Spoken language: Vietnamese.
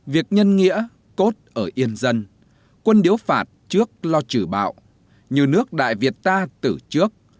việc nhân nghĩa cốt ở yên dân quân điếu phạt trước lo trừ bạo như nước đại việt ta từ trước